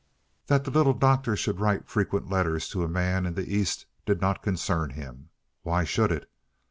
That the Little Doctor should write frequent letters to a man in the East did not concern him why should it?